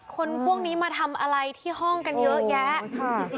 คนพวกนี้มาทำอะไรที่ห้องกันเยอะแยะค่ะ